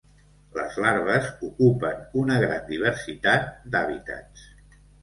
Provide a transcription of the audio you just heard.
Les larves ocupen una gran diversitat d'hàbitats.